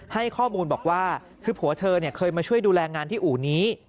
ให้ข้อมูลบอกว่าคือผัวเธอเคยมาช่วยดูแลงานที่อู่นี้